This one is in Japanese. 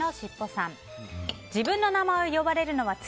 自分の名前を呼ばれるのは次！